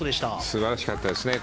素晴らしかったですね。